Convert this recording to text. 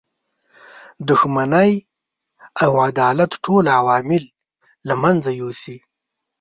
دښمنی او عداوت ټول عوامل له منځه یوسي.